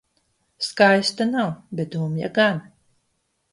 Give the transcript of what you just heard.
Skaista nav, bet dumja gan...